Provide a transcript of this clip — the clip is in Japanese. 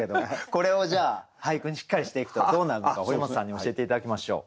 これをじゃあ俳句にしっかりしていくとどうなるのか堀本さんに教えて頂きましょう。